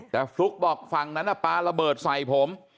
แต่ฟลุ๊กบอกฝั่งนั้นปลาระเบิดใส่ผม